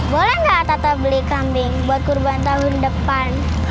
boleh nggak tata beli kambing buat kurban tahun depan